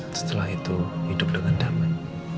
setelah itu hidup dengan damai